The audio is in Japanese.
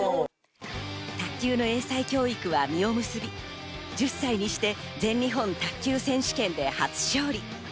卓球の英才教育は実を結び、１０歳にして全日本卓球選手権で初勝利。